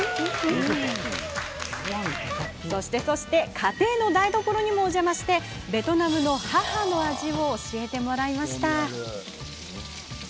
家庭の台所にもお邪魔してベトナムの母の味を教えてもらいました。